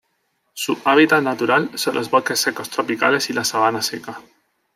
Su hábitat natural son los bosques secos tropicales y la sabana seca.